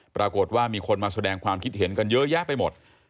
ปรากฏว่ามีคนมาแสดงความคิดเห็นกันเยอะแยะไปหมด